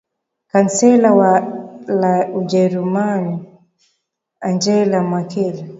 kansella wa la ujerumani angela merkel